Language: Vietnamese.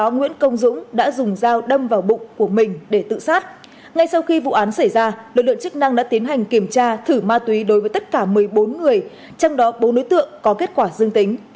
ngay sau khi vụ án xảy ra lực lượng chức năng đã tiến hành kiểm tra thử ma túy đối với tất cả một mươi bốn người trong đó bốn đối tượng có kết quả dương tính